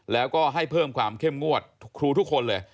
แล้วก็ให้เพิ่มความเข้มงวดครูทุกคนเลย